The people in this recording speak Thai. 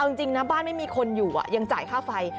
เอาจริงนะบ้านไม่มีคนอยู่ยังจ่ายค่าไฟ